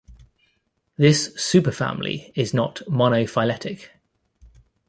This superfamily is not monophyletic.